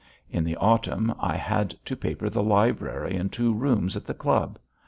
In the autumn I had to paper the library and two rooms at the club.